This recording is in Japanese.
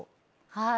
はい。